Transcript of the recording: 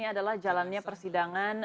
ya ini adalah jalannya persidangan